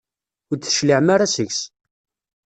Ur d-tecliɛem ara seg-s.